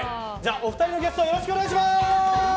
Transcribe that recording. お二人のゲストよろしくお願いします！